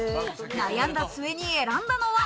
悩んだ末に選んだのは。